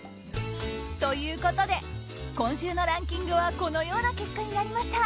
ということで今週のランキングはこのような結果になりました。